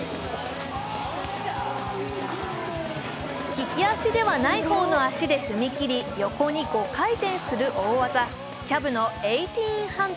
利き足ではない方の足で踏みきり横に５回転する大技、キャブの１８００。